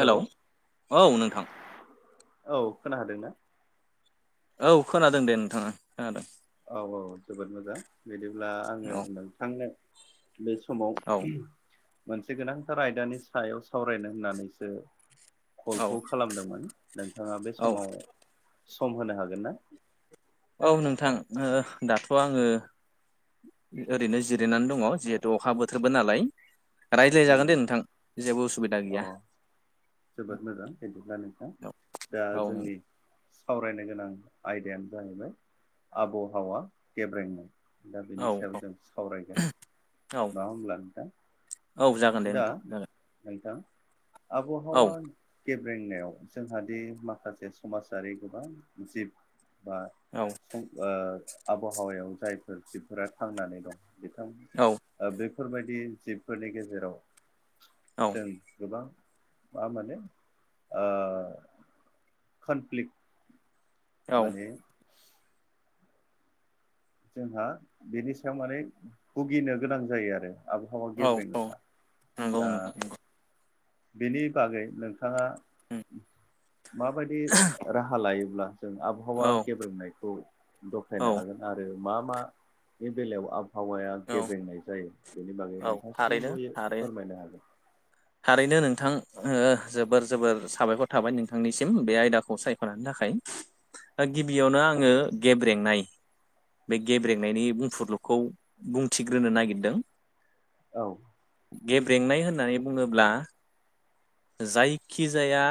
Hello औ नोंथां औ खोनादों ना? औ खोनादों दे नोंथाङा खोनादों। औ औ जोबोद मोजां बिदिब्ला आङो औ नोंथांनो बे औ समाव मोनसे गोनांथार आयदानि सायाव सावरायनो होननानैसो औ कलखौ खालामदोंमोन नोंथाङा बे औ समाव सम होनो हागोन ना? औ नोंथां दाथ' आङो ओरैनो जिरिनानै दङ जिहेतु अखा बोथोरबो नालाय। रायज्लाय जागोन नंगौ दे नोंथां जेबो उसुबिदा अ गैया। जोबोद मोजां बिदिब्ला औ नोंथाङां दा औ जोंनि सावरायनो गोनां आयदायानो जाहैबाय आबहावा गेब्रेंनाय दा बेनि सायाव औ जों सावरायगोन औ नङा होमबब्ला नोंथां? औ जागोन दे दा नोंथां जागोन नोंथां औ आबहावा गेब्रेंनायाव जोंहाद माखासे समाजारि गोबां जिब बा औ सं आबहावायाव जायफोर जिबफोरा थांनानै दं बिथां बेफोरबायदि जिबफोरनि गेजेराव औ जों गोबां मा माने कनफ्लिक औ माने जोंहा बिनि सायाव माने भुगिनो गोनां जायो आरो। आबहावा औ औ गेब्रेंगोना नंगौ दा नोंथां नंगौ बिनि बागै नोंथाङा माबायदि राहा लायोब्ला जों आबहावा औ गेब्रेनायखौ औ दबथायनो हागोन? आरो मा मानि बेलायाव आबहावाया औ गेब्रेंनाय जायो। बेनि बागै औ थारैनो नोंथांसिबो थारैनो फोरमायनो हागोन। थारैनो नोंथां जोबोर जोबोर साबायखर थाबाय नोंथांनिसिम बे आयदाखौ सायख'नायनि थाखाय। गिबियावनो आङो गेब्रेंनाय बे गेब्रेनायनि बुंफुरलुखौ बुंथिग्रोनो नागिरदों। औ गेब्रेंनाय होननानै बुङोब्ला जायखिजाया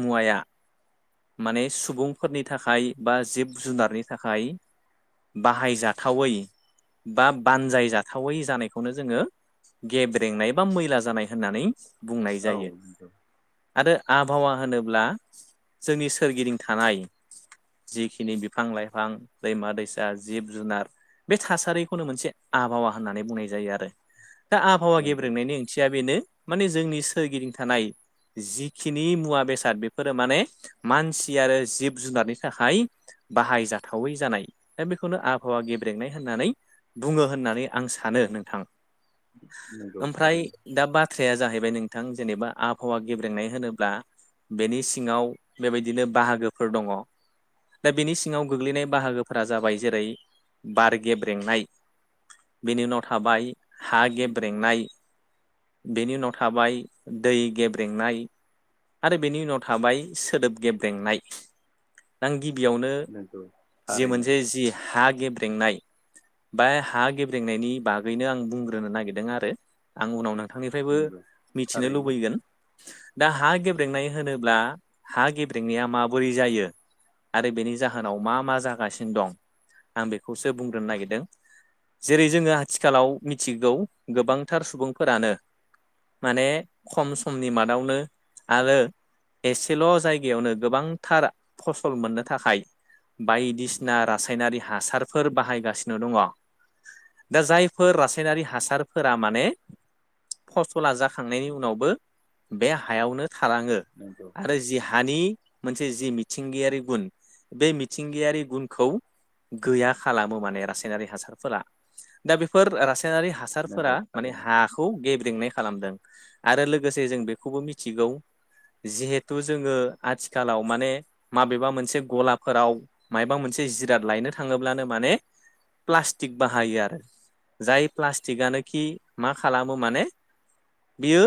मुवाया माने सुबुंफोरनि थाखाय बा जिब जुनारनि थाखाय बाहाय जाथावै बा बानजाय जाथावै जानायखौनो जोङो गेब्रेंनाय बा मैला जानाय होननानै बुंनाय औ जायो। नंगौ आरो आबहावा होनोब्ला जोंनि सोरगिदिं थानाय जिखिनि बिफां लाइफां दैमा दैसा जिब जुनार बे थासारिखौनो मोनसे आबहावा होननानै बुंनाय जायो आरो। दा आबहावा नंगौ गेब्रोंनायनि ओंथिया बेनो माने जोंनि सोरगिदिं थानाय जिखिनि मुवा बेसाद बेफोरो माने मानसि आरो जिब जुनारनि थाखाय बाहायजाथावै जानाय दा बेखौनो आबहावा गेब्रेंनाय होननानै बुङो होननानै आं सानो नोंथां। नंगौ ओमफ्राय थारैनो दा बा थ्राया जाहैबाय नोंथां जेनेबा आबहावा गेब्रेंनाय होनोब्ला बेनि सिङाव बेबायदिनो बाहागोफोर दङ दा बेनि सिङाव गोग्लैनाय बाहागोफ्रा जाबाय जेरै बार गेब्रेंनाय बेनि उनाव थाबाय हा गेब्रेंनाय बेनि उनाव थाबाय दै गेब्रेंनाय आरो बेनि उनाव थाबाय सोदोब गेब्रेंनाय। आं गिबियावनो नंगौ जि थारैनो मोनसे जि हा गेब्रेंनाय बाय हा गेब्रेंनायनि बागैनो आं बुंग्रोनो नागिरदों आरो आं उनाव नों थांनिफ्रायबो नंगौ मिथिनो थारैनो लुबैगोन। दा हा गेब्रेंनाय होनोब्ला हा गेब्रेंनाया माबोरै जायो आरो बेनि जाहोनाव मा मा जागासिनो दं आं बेखौसो बुंग्रोनो नागिरदों। जेरै जोङो आथिखालाव मिथिगौ गोबांथार सुबुंफोरानो माने खम समनि मादावनो आरो एसेल' जायगायावनो गोबांथार फसल मोननो थाखाय बायदिसिना रासायनारि हासारफोर बाहायगासिनो दङ। दा जायफोर रासायनारि हासारफोरा माने फसला जाखांनायनि उनावबो बे हायावनो थालाङो नोंगौ आरो जि हानि मोनसे जि मिथिंगायारि गुन बे मिथिंगायारि गुनखौ गैया खालामो माने रासायनारि हासारफोरा। दा बेफोर रासायनारि नंगौ हासारफोरा माने थारैनो हा खौ गेब्रेेंनाय खालामदों आरो लोगोसे जों बेखौबो मिथिगौ जिहेथु जोङो आथिखालाव माने माबेबा मोनसे गलाफोराव मायबा मोनसे जिराद लायनो थाङोब्लानो माने प्लास्टिक बाहायो आरो जाय प्लास्टिक आनोखि मा खालामो माने बियो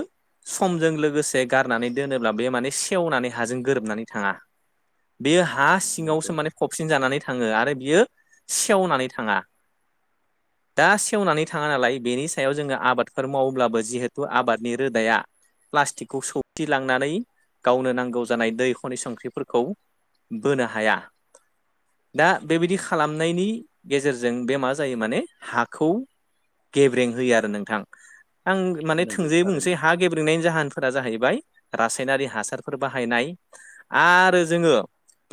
समजों लोगोसे गारनानै दोनोब्ला बे माने सेवनानै हाजों गोरोबनानै थाङा। बियो हा नंगौ सिङावसो माने फबसिन जानानै थाङो आरो बियो सेवनानै थाङा। दा सेवनानै थाङा नालाय बेनि सायाव जोङो आबाद फोर मावोब्लाबो जिहेथु आबादनि रोदाया प्लास्टिकखौ सौथिलांनानै गावनो नांगौ जानाय दै खनि संख्रिफोरखौ बोनो हाया। दा बेबिदि खालामनायनि गेजेरजों बे मा जायो माने हाखौ गेब्रें होयो आरो नोंथां। आं माने नंगौ थोंजोङै थारैनो बुंसै हा गेब्रेंनायनि जाहोन फोरा जाहैबाय रासायनारि हासारफोर बाहायनाय आरो जोङो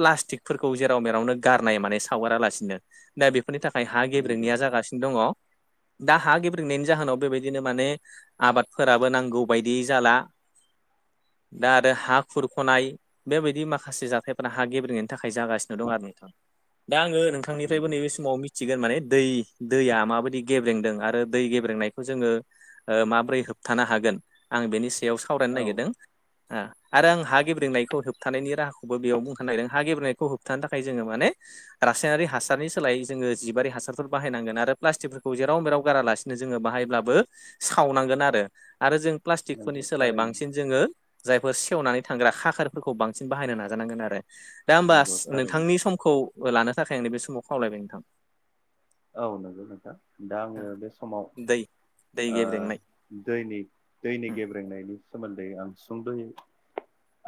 प्लास्टिकफोरखौ जेराव मेरावनो गारनाय माने सावगारालासिनो दा बे फोरनि थाखाय हा नंगौ गेब्रेंनायया जागासिनो दङ दा हा गेब्रेनायनि जाहोनाव बेबायदि बिदिनो माने आबादफोराबो नांगौ बायदि जाला। दा आरो हा खुरख'नाय बेबायदि माखासे जाथायफोरा हा गेब्रेनायनि थाखाय जागासिनो दं आरो नोंथा दा आङो नों बिथांनिफ्रायबो नंगौ नैबे समाव मिथिगोन माने दै दैया माबायदि गेब्रेंदों आरो दै गेब्रेंनायखौ जोङो माब्रै होबथानो हागोन आं बेनि सायाव सावरायनो औ नागिरदों। आरो आं हा गेब्रेंनायखौ होबथानायनि राहाखौबो बेयाव बुंखानो नागिरदों हा गेब्रेनायखौ होबथानो थाखाय जोङो माने रासायनारि हासारनि सोलाय जोङो जिबारि हासारफोर बाहायनांगोन आरो प्लासस्टिकफोरखौ जेराव मेराव गारा ला जोङो बाहायब्लाबो सावनांगोन आरो आरो जों प्लास्टिकफोरनि नंगौ सोलायै थारैनो बांसिन जोङो जायफोर सेवनानै थांग्रा खाखारफोरखौ बांसिन बाहायनो नाजानांगोन आरो। दा होमबा नंगौ थारैनो नोंथांनि समखौ लानो थाखाय आं नैब समाव खावलायबाय नोंथां। औ नंगौ नोंथा दा आङो बे समाव दै दै ओ गेब्रेंनाय दैनि दैनि गेब्रेंनायनि सोमोन्दै आं सुंद'यो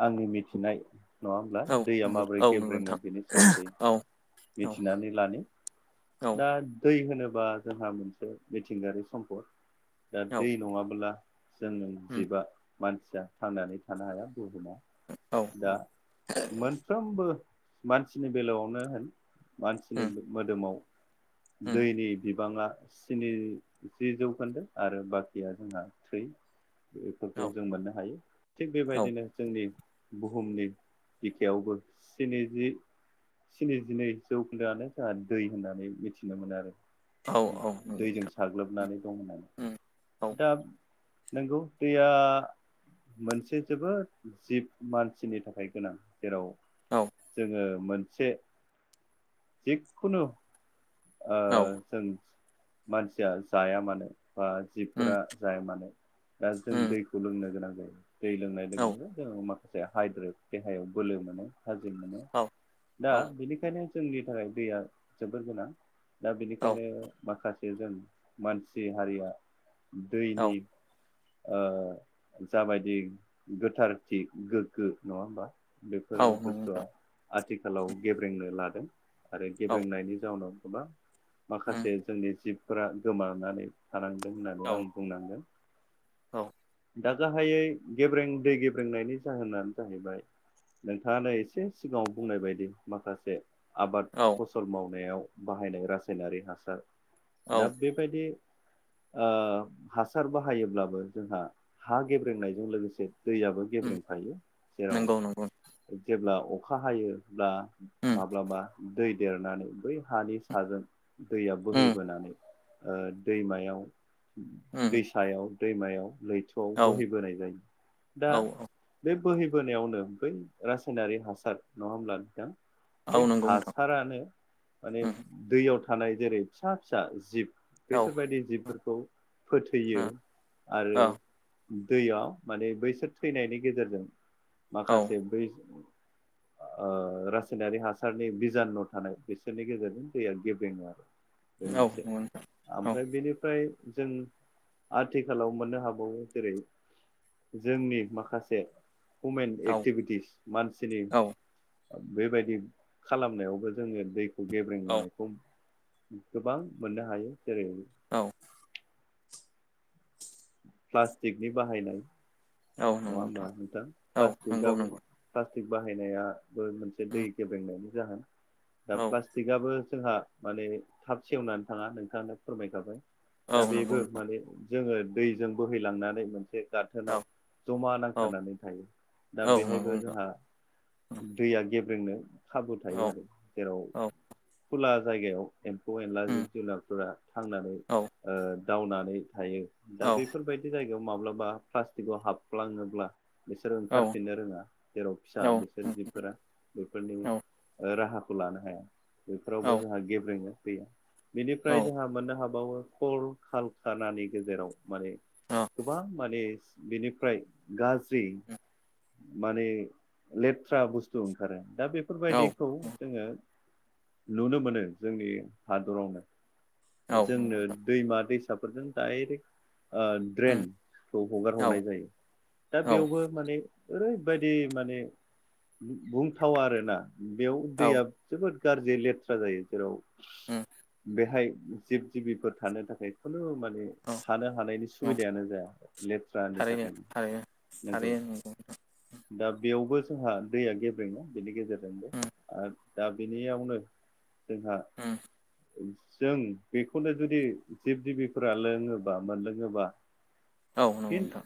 आंनि मिथिनाय नङा होमब्ला औ दैया माबोरै औ नंगौ गेब्रेङो नोंथां बेनि सोमोन्दै औ औ मिथिनानै लानो औ दा दै होनोबा जोंहा मोनसे मिथिंगायारि सम्पद दा औ दै नङाबो्ला जोंङो जिबा मानसिया थांनानै थानो हाया बुहुमा औ दा मोनफ्रोमबो मानसिनि बेलायावनो होन मानसिनि मोदोमाव औ दैनि बिबाङा स्निजि जौखोन्दो आरो बाखिया जोंहा थै बेफोरखौ औ जों मोननो हायो थिग औ बेबायदिनो जोंनि बुहुमनि बिखायावबो स्निजि स्निजिनै जौखोन्दोआनो जोंहा दै होननानै मि मिथिनोमोन आरो औ औ नंगौ दैजों नोंथां साग्लोबनानै दंमोन आं उम औ दा नंगौ दैया मोनसे जोबोद जिब मानसिनि थाखाय गोनां जेराव औ जोङो मोनसे जिखुनु ओ औ जों मानसिया जाया मोन। ओ बा उम जिबफोरा जाया मानो दा जों उम दैखौ लोंनो गोनां जायो दै लोंनाय औ लोगो लोगो ज माखासे हाइद्रे देहायाव बोलो मोनो थाजिम मोनो औ दा औ बिनि बेखायनो जोंनि थाखाय दैया जोबोर गोनां दा औ बेनिखायनो माखासे ज जों मानसि हारिया औ दैनि जाबायदि गोथारथि गोग्गो नङा होमबा? औ बेफोरो नंगौ नोंथां बुस्थुआ आथिखालाव गेब्रेंनो लादों। आरो औ गेब्रेंनायनि जाउनाव गोबां उम माखासे जोंनि जिबफोरा गोमानानै थानांदों औ होननानै आं बुंनांगोन। औ दा गाहायै गेब्रें दै गेब्रेंनायनि जाहोनानो जाहैबाय। नोंथाङानो एसे सिगाङाव बुंनाय बायदि माखासे आबाद औ फसल मावनायाव बाहायनाय रासायनारि हासार औ दा बे बेबायदि ओ हासार बाहायोब्लाबो जोंहा हा गेब्रेंनायजों लोगोसे दैयाबो उम गेब्रेंफायो जेराव नंगौ नंगौ जेब्ला अखा हायोब्ला उम माब्लाबा दै देरनानै बै हानि साजों दैया उम बोहैबोनानै ओ दैमायाव उम दै सायाव दैमायाव लैथोआव औ बोहैबोनाय जायो दा औ औ बे बोहैबोनायावनो बै रासायनारि हासार नङा होमब्ला नोंथां? बे औ नंगौ नोंथां हासारानो माने उम दैयाव थानाय जेरै फिसा फिसा जिब औ बेैसोरबायायदि जिबफोरखौ फोथैयो आरो दैयाव माने बैसोर थैनायनि गेजेरजों औ माखासे बै रासायनारि हासारनि बिजानु' थानाय बिसोरनि गेजेरजों दैया गेबेङा [inaudible] बे मोनसे नंगौ नोंथां ओमफ्राय बेनिफ्राय जों आथिखालाव मोननो हाबावो जेरै जोंनि माखासे हमेन औ एक्टिभिटिस मानसिनि औ बेबायदि खालामनायावबो जोङो दैखौ गेब्रेंनायखौ गोबां मोननो हायो। जेरै औ प्लास्टिकनि बाहायनाय औ नंगौ नङा हबा नोंथां औ प्लास्टिकआ नंगौ नंगौ प्लास्टिक बाहायनायाबो मोनसे दै उम गेब्रेंनायनि जाहोन दा औ प्लास्टिक गआबो जोंहा माने थाब सेवनानै थाङा नोंथांनो फोरमायखाबाय। औ दा नंगौ बेबो माने जोङो दैजों बोहैलांनानै मोनसे गाथोनाव नोंथां जमा औ नांथारनानै थायो दा औ औ नंगौ बेहायबो नोंथां जोंहा दैया गेब्रेंनो खाबु थायो औ आरो जेराव औ खुला जायगायाव एम्फौ एनला उम जिब जुनारफोरा थांनानै औ दावनानै थायो दा औ बे बेफोरबायाददि जायगायाव माब्लाबा प्लास्टिकआव हाबफ्लाङोब्ला बिसोरो औ ओंखारफिननो रोङा जेराव फिसा औ बिसोर उम जिफोरा बेफोरनि औ राहा खौ लानो हाया बेफोरावबो औ जोंहा गेब्रेङनो फैया औ बेनिफ्राय जोंहा मोननो हाबावो खल खाालखानानि गेजेराव माने औ गोबां माने बिनि गाज्रि उम माने लेथ्रा बुस्थु औ ओंखारो दा औ बेफोरबायदिखौ जोङो नुनो मोनो जोंनि हादरावनो औ नंगौ जोंनो नोंथां दैमा दैसाफोरजों दडाइरेक्ट उम ड्रेनखौ हगार औ हरनाय जायो। दा औ बेयावबो माने ओरैबायदि माने बुंथावा आरोना। बेयाव औ दैया जोबोद गाज्रि लेथ्रा जायो जेराव उम बेहाय जिब जिबिफोर थानो थाखाय खुनु माने औ थानो हानायनि औ सुबिदायानो जाया लेथ्रानि थारैनो थाखायनो थारैनो नंगौ थारैनो दा बेयावबो जोंहा दैया गेब्रेङा बेनि गेजेराव उम आरो दा बेनियावनो जोंहा उम जों बेखौनो जुदि जिब जिबिफोरा लोङोबा मोनलोङोबा औ नांगौ फिन नोंथां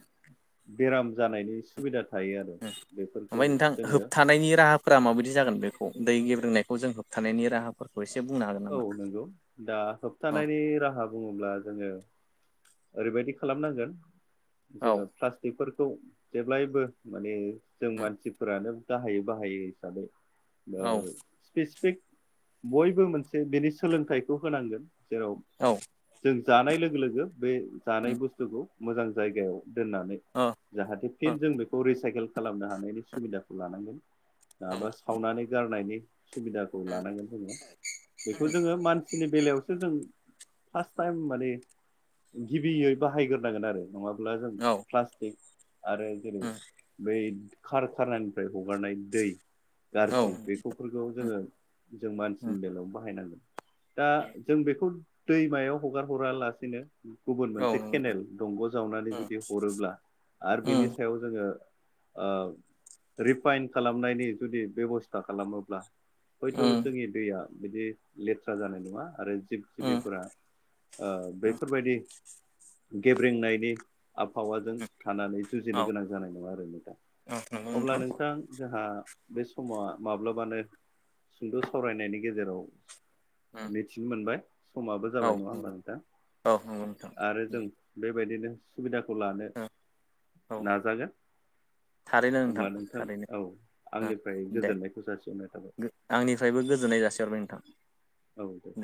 बेराम जानायनि सुबिदा थायो आरो बेफोरखौ जोङो थानायनि राहा फोर माबायदि जागोन बेखौ दै गेब्रोंनायखौ जों होबथानायनि राहा फोरखौ एसे बुंनो हागोन औ नामा नंगौ दा औ होबथानायनि राहा बुङोब्ला जोङो ओरैबायदि खालामनांगोन औ जोङो प्लास्टिकफोरखौ जेब्लायबो माने जों मानसिफोरानो बाहायै बाहायै हिसाबै औ स्पेसिफिक बयबो मोनसे बेनि सोलोंथाइखौ होनांगोन। जेराव औ जों जानाय लोगो लोगो बे जानाय उम बुस्थुखौ मोजां जायगायाव दोननानै औ जाहाथे उम फिन जों बेखौ रिसाइकेल खालामनो हानायनि सुबिदाखौ लानांगोन। औ नाबा सावनानै गारनायनि सुबिदाखौ उम लानांगोन जोङो बेखौ जोङो मानसि नि बेलायावसो जों फार्स्ट टाइम माने गिबियै बाहायग्रोनांगोन आरो नङाब्ला जों प्लास्टिक आरो जेरै बै खार खारनायनिफ्राय हगारनाय दै गाज्रि बेखौफोरखौ जोङो जों उम मानसिनि बेलायाव बाहायनांगोन। दा जों बेखौ दैमायाव हगार हरालासिनो गुबुन औ मोनसे नंगौ नोंथां केनेल दंग' जावनानै उम जुदि हरोब्ला आरो बिनि उम सायाव जोङो रिफाइन खालामनायनि जुदि बेब'स्था खालामोब्ला हयथ' उम जोंनि दैया बिदि लेथ्रा जानाय नङा आरो जिब उम जिबिफोरा ओ उम बैफोरबायदि गेब्रेंनायनि आबहावाजों थानानै जुजिनो औ गोनां जानाय नङा आरो नोंथां। औ नंगौ अब्ला नोंथां जोंहा बे समा माब्लाबानो सुंद' सावरायनायनि गेजेराव मिथिनो मोनबाय समाबो औ जाबाय नङा होमबा नोंथां? औ नंगौ नों आरो जों बेबायदिनो सुबिदाखौ लानो औ नाजागोन। थारैनो अब्ला नोंथां थारैनो औ आंनिफ्राय दे गोजोन्नायखौ जासिहरनाय थाबाय। आंनिफ्रायबो गोजोननाय जासिहरबाय नोंथां। औ दे।